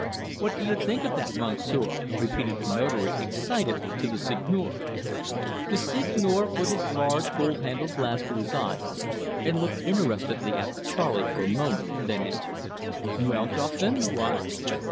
"What do you think of that, Monsieur?" repeated the Notary excitedly to the Seigneur. The Seigneur put his large gold handled glass to his eye and looked interestedly after Charley for a moment, then answered: "Well, Dauphin, what?"